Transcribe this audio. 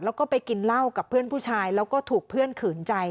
แล้วก็ไปกินเหล้ากับเพื่อนผู้ชายแล้วก็ถูกเพื่อนขืนใจ